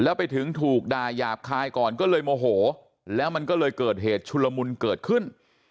แล้วไปถึงถูกด่ายาบคายก่อนก็เลยโมโหแล้วมันก็เลยเกิดเหตุชุลมุนเกิดขึ้น